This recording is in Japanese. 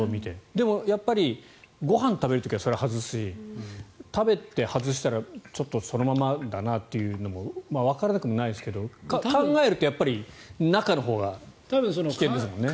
でも、ご飯を食べる時は外すし食べて外したらちょっとそのままだなというのもわからなくはないですが考えると、やっぱり中のほうが危険ですもんね。